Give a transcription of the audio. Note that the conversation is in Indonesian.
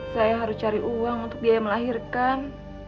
saya harus cari uang untuk biaya melahirkan